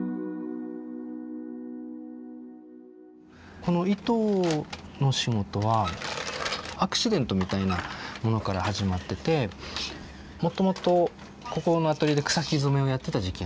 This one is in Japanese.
この糸の仕事はアクシデントみたいなものから始まっててもともとここのアトリエで草木染めをやってた時期があって。